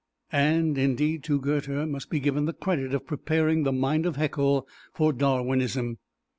And, indeed, to Goethe must be given the credit of preparing the mind of Haeckel for Darwinism.